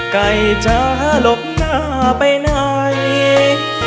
ไก่จะหลบหน้าไปไหน